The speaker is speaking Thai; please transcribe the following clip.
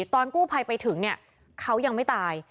ตอนกู้ภัยไปถึงเนี่ยเขายังไม่ตาย